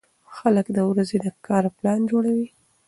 خلک د ورځې د کار پلان جوړوي